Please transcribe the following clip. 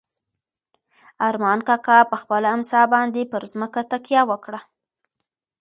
ارمان کاکا په خپله امسا باندې پر ځمکه تکیه وکړه.